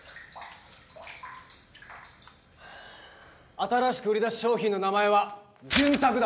新しく売り出す商品の名前は「潤沢」だ。